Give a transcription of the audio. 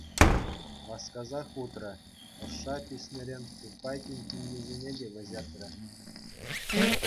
Васкасах утрӗ, ӑшша пиҫнӗрен фуфайкин тӳмисене те вӗҫертрӗ.